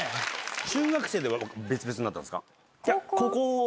中学生で別々になったんですか？